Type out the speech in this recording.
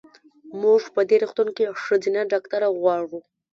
مونږ په دې روغتون کې ښځېنه ډاکټره غواړو.